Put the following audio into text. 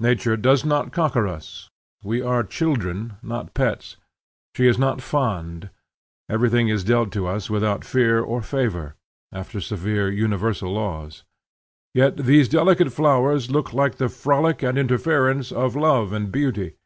Nature does not cocker us; we are children, not pets; she is not fond; everything is dealt to us without fear or favor, after severe universal laws. Yet these delicate flowers look like the frolic and interference of love and beauty.